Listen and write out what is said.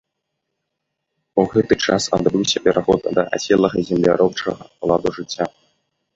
У гэты час адбыўся пераход да аселага земляробчага ладу жыцця.